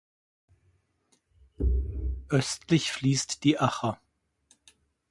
Östlich fließt die Acher.